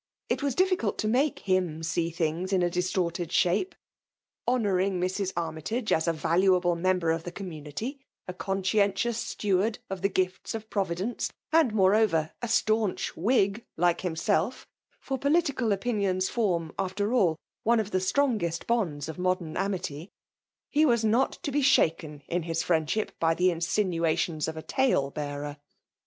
It was difficult to make him see things in 'a distorted shape. Honouring Mrs. Armytage as a valuable member of the community, a conscientious steward of the gifts of Providence, and, moreover, a staunch Whi^ like himself, (for political opinions form, after all, one of the strongest bonds of modem atnity,) he was not to be shaken in his friend ship by the insinuations of a tale bearer.